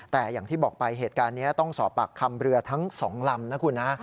แต่อย่างที่บอกไปเหตุการณ์นี้ต้องสอบปากคำเรือทั้ง๒ลำนะคุณนะ